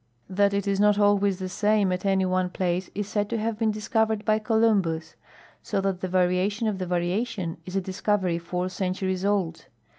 That it is not always the same at any one place is said to have been discovered by Columbus ; so that the variation of the variation is a discovery four centuries old.